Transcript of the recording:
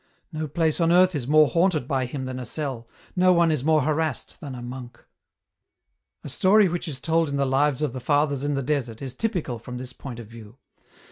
No place on earth is more haunted by him than a cell, no one is more harassed than a monk." " A story which is told in the Lives of the Fathers in the Desert, is typical from this point of view.